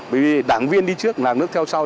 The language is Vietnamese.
bởi vì đảng viên đi trước là nước theo sau